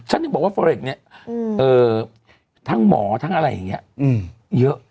ฉันบอกว่าเฟอร์เร็กซ์เนี่ยทั้งหมอทั้งอะไรอย่างเงี้ยเยอะ